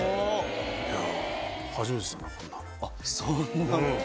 あっそんな。